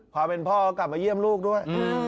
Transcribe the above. พอเป็นพ่อก็กลับมาเยี่ยมลูกด้วย